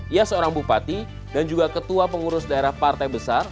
ia seorang bupati dan juga ketua pengurus daerah partai besar